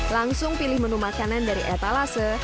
langsung pilih menu makanan dari etalase